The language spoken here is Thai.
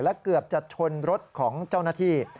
และเกือบจะชนรถของเจ้าหน้าที่